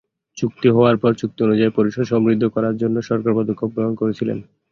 চুক্তি হওয়ার পর, চুক্তি অনুযায়ী পরিষদ সমৃদ্ধ করার জন্য সরকার পদক্ষেপ গ্রহণ করেছিল।